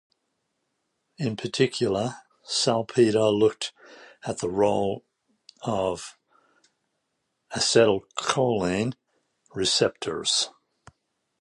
In particular Salpeter looked at the role of acetylcholine receptors.